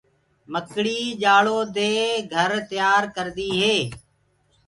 مڪڙيٚ ڃآرو دي گھر تيآر ڪردي هي۔